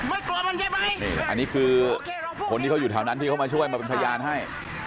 อันนี้คือคนที่เขายุ่แถวนั้นที่เขามาช่วยมาเป็นพยายามให้